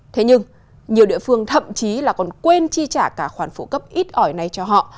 thế nhưng nhiều địa phương thậm chí là còn quên chi trả cả khoản phụ cấp ít ỏi này cho họ